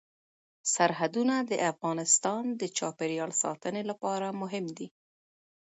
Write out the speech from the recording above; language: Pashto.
سرحدونه د افغانستان د چاپیریال ساتنې لپاره مهم دي.